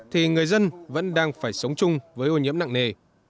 thì người dân vẫn đang phải sống chung với ô nhiễm nặng nề